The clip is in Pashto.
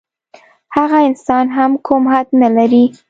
هغه انسان هم کوم حد نه لري.